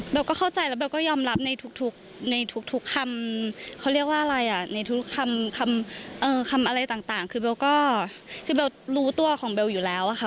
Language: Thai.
ก็เข้าใจแล้วเบลก็ยอมรับในทุกในทุกคำเขาเรียกว่าอะไรอ่ะในทุกคำอะไรต่างคือเบลก็คือเบลรู้ตัวของเบลอยู่แล้วอะค่ะ